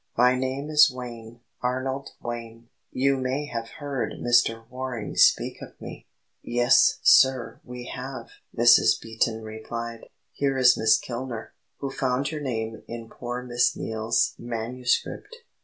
"My name is Wayne Arnold Wayne you may have heard Mr. Waring speak of me?" "Yes, sir, we have," Mrs. Beaton replied. "Here is Miss Kilner, who found your name in poor Miss Neale's manuscript.